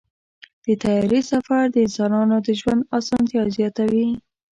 د طیارې سفر د انسانانو د ژوند اسانتیا زیاتوي.